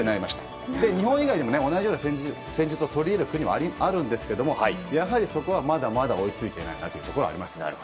日本以外にも同じような戦術を取り入れる国もあるんですがそこはまだまだ追い付いていないところはあります。